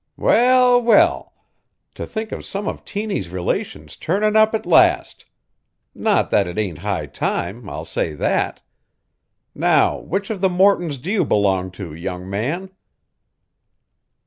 "Well, well! To think of some of Tiny's relations turnin' up at last! Not that it ain't high time, I'll say that. Now which of the Mortons do you belong to, young man?"